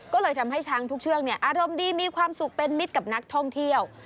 ก็เลยทำให้ช้างทุกเชือกอารมณ์ดีมีความสุขเป็นมิตรกับนักท่องเที่ยว